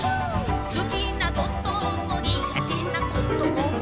「すきなこともにがてなことも」